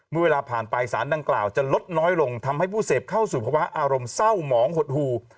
เมื่อเวลาผ่านไปสารดังกล่าวจะลดน้อยลงทำให้ผู้เสพเข้าสู่ภาวะอารมณ์เศร้าหมองหดหู่